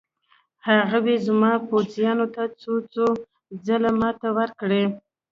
هغوی زما پوځیانو ته څو څو ځله ماتې ورکړې.